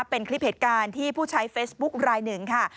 เป็นคลิปเหตุการณ์ที่ผู้ใช้เฟซบุ๊คลายหนึ่งค่ะ